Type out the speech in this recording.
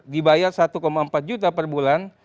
dibayar satu empat juta per bulan